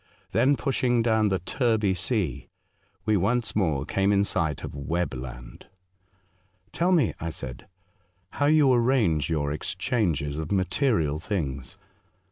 Then pushing down the Terby Sea, we once more came in sight of Webb Land. ^p ^r ^p ♦•" Tell me," I said, " how you arrange your exchanges of material things.